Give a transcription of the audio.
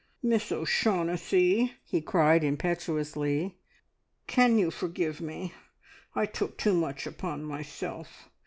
"Miss O'Shaughnessy," he cried impetuously, "can you forgive me? I took too much upon myself.